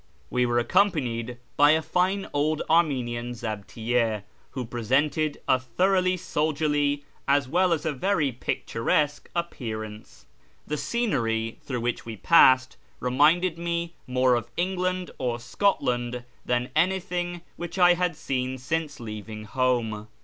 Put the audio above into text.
We were accompanied by a fine old Armenian zahtiyyi, who presented a thoroughly soldierly, as well as a very picturesque, appearance. The scenery through which we passed reminded me more of England or Scotland than anything which I had seen since leavinof home.